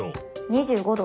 ２５度。